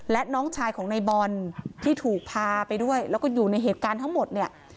และน้องชายของในบอลที่ถูกพาไปด้วยแล้วก็อยู่ในเหตุการณ์ทั้งหมดเนี่ย